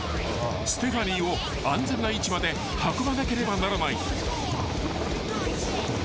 ［ステファニーを安全な位置まで運ばなければならない］ＯＫ。